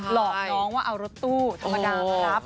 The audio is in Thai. หลอกน้องว่าเอารถตู้ธรรมดามารับ